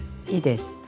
いいです。